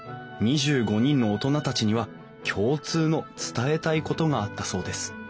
２５人の大人たちには共通の伝えたいことがあったそうです